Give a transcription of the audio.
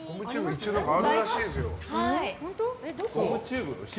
一応あるらしいですよ。